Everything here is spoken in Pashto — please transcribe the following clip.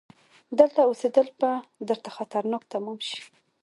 دلته اوسيدل به درته خطرناک تمام شي!